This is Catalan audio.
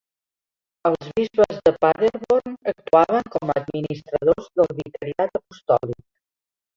Els bisbes de Paderborn actuaven com a administradors del vicariat apostòlic.